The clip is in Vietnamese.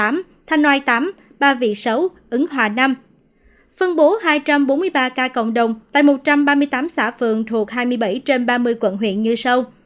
phân bố hai trăm bốn mươi ba ca cộng đồng tại một trăm ba mươi tám xã phường thuộc hai mươi bảy trên ba mươi quận huyện dư sâu